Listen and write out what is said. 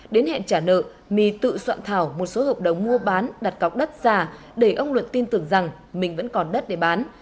đến hẹn trả nợ my tự soạn thảo một số hợp đồng mua bán đặt cọc đất giả để ông luận tin tưởng rằng mình vẫn còn đất để bán